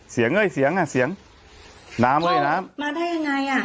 เอ้ยเสียงอ่ะเสียงน้ำเอ้ยน้ำมาได้ยังไงอ่ะ